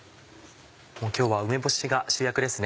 もう今日は梅干しが主役ですね。